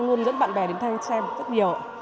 luôn dẫn bạn bè đến theo xem rất nhiều